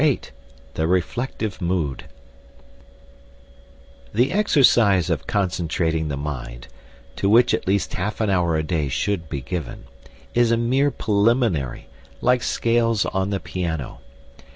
VIII THE REFLECTIVE MOOD The exercise of concentrating the mind (to which at least half an hour a day should be given) is a mere preliminary, like scales on the piano.